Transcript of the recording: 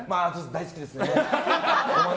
大好きですね。